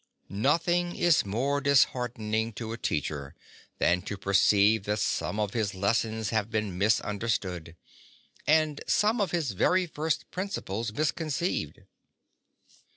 Nothing is more disheartening to a teacher than to perceive that some of his lessons have been misunderstood, and some of his very first principles miscon ceived.